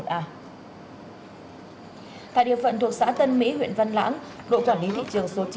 tại địa phận thuộc xã tân mỹ huyện văn lãng đội quản lý thị trường số chín